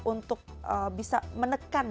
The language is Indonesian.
untuk bisa menekan